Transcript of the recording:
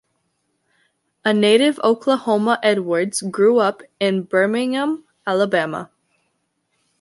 A native of Oklahoma, Edwards grew up in Birmingham, Alabama.